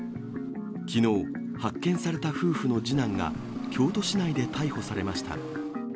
きのう、発見された夫婦の次男が、京都市内で逮捕されました。